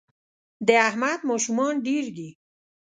د احمد ماشومان ډېر دي